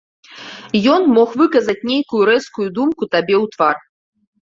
Ён мог выказаць нейкую рэзкую думку табе ў твар.